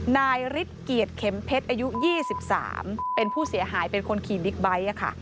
นายฤทธิเกียรติเข็มเพชรอายุ๒๓เป็นผู้เสียหายเป็นคนขี่บิ๊กไบท์ค่ะ